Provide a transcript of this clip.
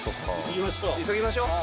急ぎましょう。